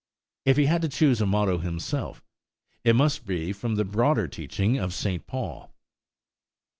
If he had to choose a motto himself, it must be from the broader teaching of St. Paul.